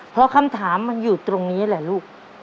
เพราะคำถามมันอยู่ตรงนี้แหละลูก